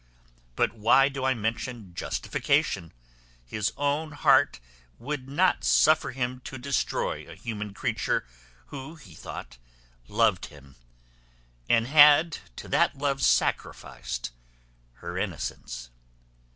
But why do I mention justification? His own heart would not suffer him to destroy a human creature who, he thought, loved him, and had to that love sacrificed her innocence.